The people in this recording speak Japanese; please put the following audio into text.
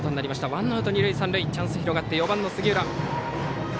ワンアウト、二塁三塁チャンスが広がって４番、杉浦。